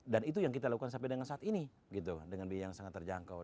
dan itu yang kita lakukan sampai dengan saat ini gitu dengan biaya yang sangat terjangkau